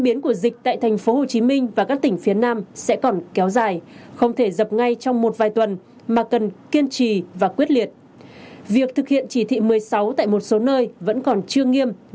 em dùng cổ gạch thế này không tin này các anh các chị xem